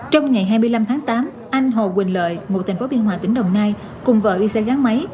trong ngày hai mươi năm tháng tám anh hồ quỳnh lợi ngụ thành phố biên hòa tỉnh đồng nai cùng vợ đi xe gắn máy